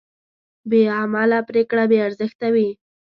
بېعمله پرېکړه بېارزښته وي.